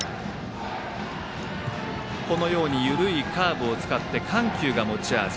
このように緩いカーブを使って緩急が持ち味。